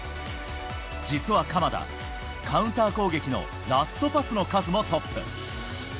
実は鎌田、カウンター攻撃のラストパスの数もトップ。